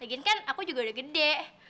gini kan aku juga udah gede